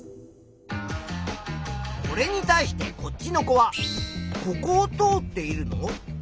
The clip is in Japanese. これに対してこっちの子は「ここをとおっているの？」